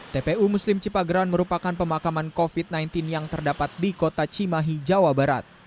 tpu muslim cipageran merupakan pemakaman covid sembilan belas yang terdapat di kota cimahi jawa barat